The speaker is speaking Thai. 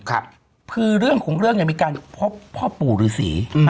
คือเรื่องของเรื่องยังมีการพ่อปู่ฤษี